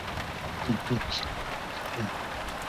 一说他就是宋朝方面史料记载的耶律郑哥。